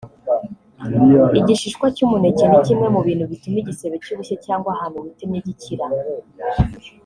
Igishishwa cy’umuneke ni kimwe mu bintu bituma igisebe cy’ubushye cyangwa ahantu witemye gikira